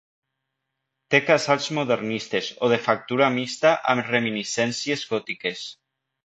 Té casals modernistes o de factura mixta amb reminiscències gòtiques.